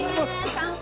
乾杯！